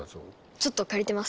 ちょっと借りてます。